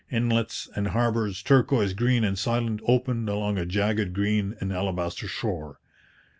Inlets and harbours, turquoise green and silent, opened along a jagged, green and alabaster shore.